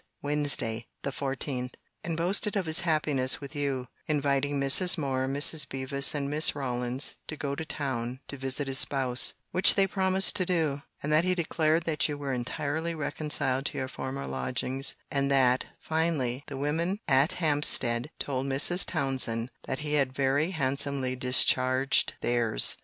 Wednesday the 14th; and boasted of his happiness with you; inviting Mrs. Moore, Mrs. Bevis, and Miss Rawlins, to go to town, to visit his spouse; which they promised to do: that he declared that you were entirely reconciled to your former lodgings:—and that, finally, the women at Hampstead told Mrs. Townsend, that he had very handsomely discharged theirs.